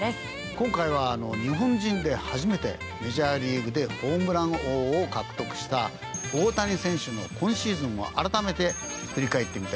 今回は日本人で初めてメジャーリーグでホームラン王を獲得した大谷選手の今シーズンを改めて振り返ってみたいと思います。